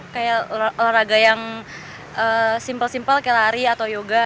kayak olahraga yang simple simpel kayak lari atau yoga